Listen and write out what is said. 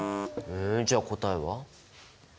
えじゃあ答えは？